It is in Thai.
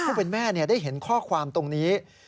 ผู้เป็นแม่ได้เห็นข้อความตรงนี้